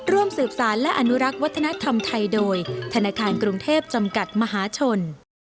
ร่วมสืบสารและอนุรักษ์วัฒนธรรมไทยโดยธนาคารกรุงเทพจำกัดมหาชน